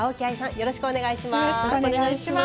よろしくお願いします。